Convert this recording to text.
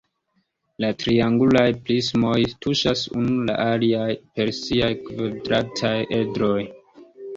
La triangulaj prismoj tuŝas unu la alian per siaj kvadrataj edroj.